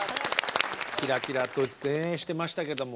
キラキラとねしてましたけども。